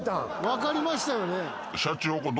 分かりましたよね。